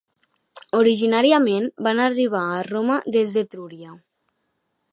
Originàriament van arribar a Roma des d'Etrúria.